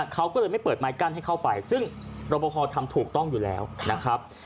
เขาก็เลยไม่เปิดไม้กั้นให้เข้าไปซึ่งรบพอทำถูกต้องอยู่แล้วนะครับ